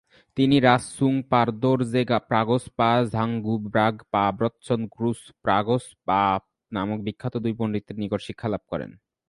তিনি রাস-ছুং-পা-র্দো-র্জে-গ্রাগ্স-পা ও ঝাং-গ্যু-ব্রাগ-পা-ব্র্ত্সোন-'গ্রুস-গ্রাগ্স-পা নামক বিখ্যাত দুই পন্ডিতের নিকট শিক্ষালাভ করেন।